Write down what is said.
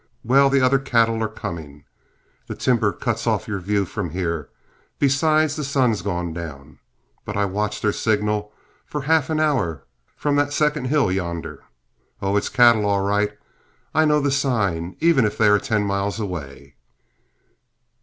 Well, the other cattle are coming. The timber cuts off your view from here, besides the sun's gone down, but I watched their signal for half an hour from that second hill yonder. Oh, it's cattle all right; I know the sign, even if they are ten miles away."